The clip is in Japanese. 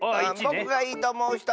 ぼくがいいとおもうひと！